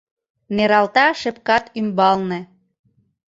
Нералта шепкат ӱмбалне